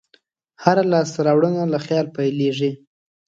هره لاسته راوړنه له خیال پیلېږي.